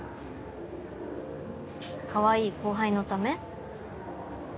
かわいい後輩のため？